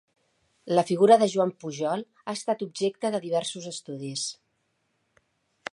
La figura de Joan Pujol ha estat objecte de diversos estudis.